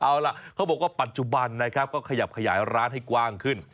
เอาล่ะเขาบอกว่าปัจจุบันนะครับก็ขยับขยายร้านให้กว้างขึ้น